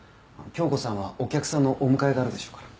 響子さんはお客さんのお迎えがあるでしょうから。